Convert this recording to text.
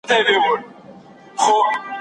که خاوند نه غوښتل، چي نور ګډ ژوند وکړي.